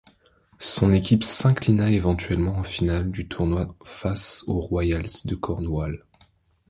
Son équipe s'inclina éventuellement en finale du tournoi face aux Royals de Cornwall.